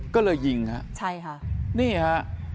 ก็เลยยิงฮะใช่ค่ะนี่ฮะ